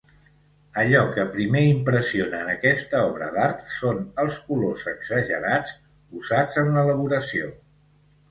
Allò que primer impressiona en aquesta obra d'art són els colors exagerats usats en l'elaboració.